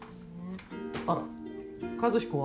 あら和彦は？